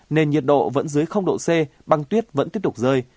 nên nhiệt độ vẫn dưới độ c băng tuyết vẫn tiếp tục rơi